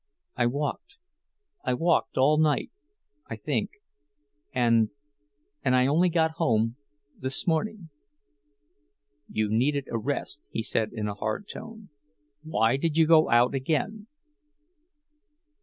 I walked—I walked all night, I think, and—and I only got home—this morning." "You needed a rest," he said, in a hard tone. "Why did you go out again?"